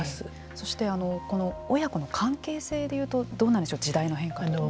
そして親子の関係性でいうとどうなんでしょう時代の変化というのは。